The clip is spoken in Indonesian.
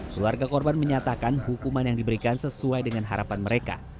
keluarga korban menyatakan hukuman yang diberikan sesuai dengan harapan mereka